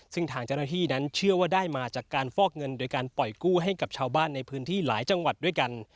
ซึ่งทางเจ้าหน้าที่นั้นเชื่อว่าได้มาจากการฟอกเงินโดยการปล่อยกู้ให้กับชาวบ้านในพื้นที่หลายจังหวัดด้วยกัน